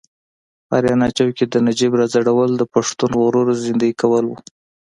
په اریانا چوک کې د نجیب راځړول د پښتون غرور زیندۍ کول و.